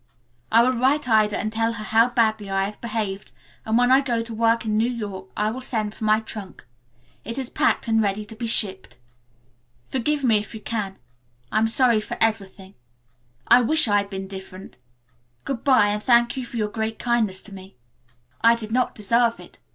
I will write Ida and tell her how badly I have behaved, and when I go to work in New York I will send for my trunk. It is packed and ready to be shipped. "Forgive me if you can. I am sorry for everything. I wish I had been different. Good bye and thank you for your great kindness to me. I did not deserve it.